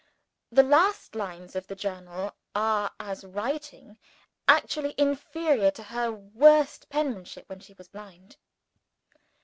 The last lines of the Journal are, as writing, actually inferior to her worst penmanship when she was blind.